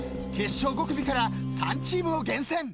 ［決勝５組から３チームを厳選！］